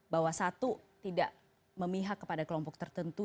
bahwa satu tidak memihak kepada kelompok tertentu